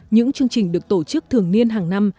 những chương trình được tổ chức thường niên hàng năm